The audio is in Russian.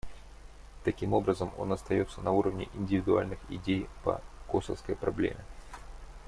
Таким образом, он остается на уровне индивидуальных идей по косовской проблеме.